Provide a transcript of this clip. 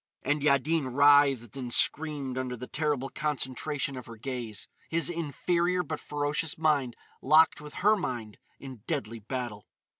And Yaddin writhed and screamed under the terrible concentration of her gaze, his inferior but ferocious mind locked with her mind in deadly battle.